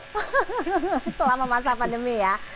hahaha selama masa pandemi ya